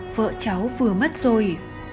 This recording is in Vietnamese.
vợ cháu vừa mất rồi